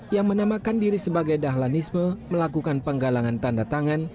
yang menamakan diri sebagai dahlanisme melakukan penggalangan tanda tangan